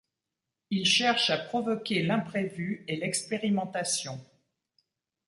Il cherche à provoquer l’imprévu et l’expérimentation.